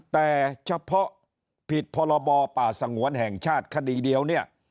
แต่เฉพาะผิดพรบป่าสงวนแห่งชาติคดีเดียวเนี่ย